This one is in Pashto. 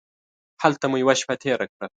هلته مو یوه شپه تېره کړه.